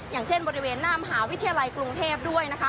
อย่างเช่นบริเวณหน้ามหาวิทยาลัยกรุงเทพด้วยนะคะ